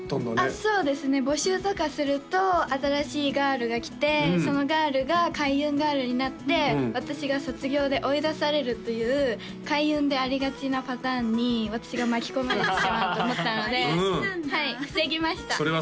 そうですね募集とかすると新しいＧｉｒｌが来てそのＧｉｒｌがＫａｉｕｎＧｉｒｌになって私が卒業で追い出されるという開運でありがちなパターンに私が巻き込まれてしまうと思ったのでありがちなんだ